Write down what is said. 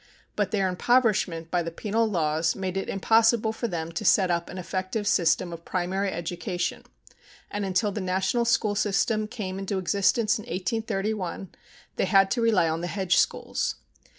But their impoverishment by the penal laws made it impossible for them to set up an effective system of primary education, and until the national school system came into existence in 1831, they had to rely on the hedge schools.